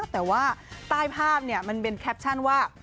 แต่ว่าใต้ภาพมันเป็นแคปชั่นว่า